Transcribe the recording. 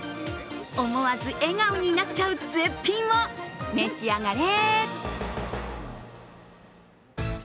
思わず笑顔になっちゃう絶品を召し上がれ！